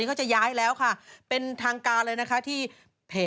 อีกแถวพระรามสามร้านอะไรอ่ะ